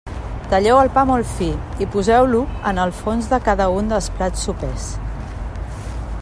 Talleu el pa molt fi i poseu-lo en el fons de cada un dels plats sopers.